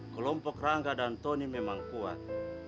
kelompok rangga dan tony memang kuat